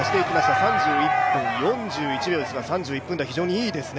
３１分４１秒ですから、３１分台、非常にいいですね。